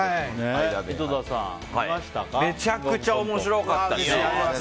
めちゃめちゃ面白かった。